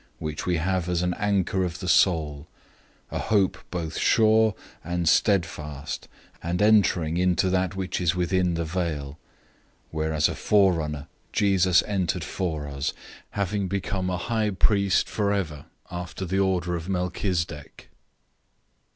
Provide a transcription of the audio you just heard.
006:019 This hope we have as an anchor of the soul, a hope both sure and steadfast and entering into that which is within the veil; 006:020 where as a forerunner Jesus entered for us, having become a high priest forever after the order of Melchizedek.